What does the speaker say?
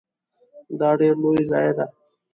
دا ډیره لوی ضایعه ده .